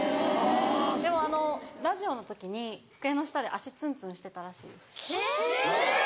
でもラジオの時に机の下で足ツンツンしてたらしいです。